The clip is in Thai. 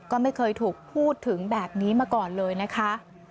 ก็ไม่เคยถูกพูดถึงแบบนี้มาก่อนเลยนะคะ